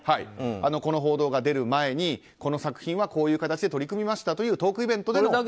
この報道が出る前にこの作品はこういう形で取り組みましたというトークイベントでの。